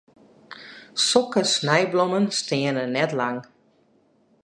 Sokke snijblommen steane net lang.